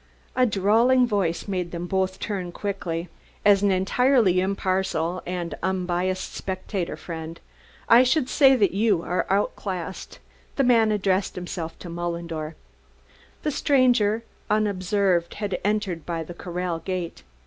A drawling voice made them both turn quickly. "As an entirely impartial and unbiased spectator, friend, I should say that you are outclassed." The man addressed himself to Mullendore. The stranger unobserved had entered by the corral gate.